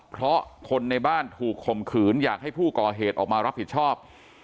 เพราะคนในบ้านถูกข่มขืนอยากให้ผู้ก่อเหตุออกมารับผิดชอบ